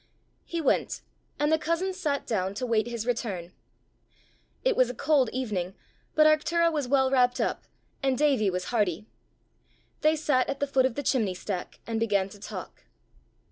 He went, and the cousins sat down to wait his return. It was a cold evening, but Arctura was well wrapt up, and Davie was hardy. They sat at the foot of the chimney stack, and began to talk.